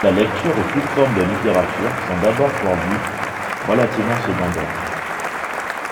La lecture, et toute forme de littérature, sont d'abord pour lui relativement secondaires.